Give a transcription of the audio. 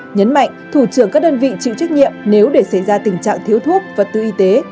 nhấn mạnh thủ trưởng các đơn vị chịu trách nhiệm nếu để xảy ra tình trạng thiếu thuốc vật tư y tế